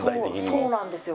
そうなんですよ。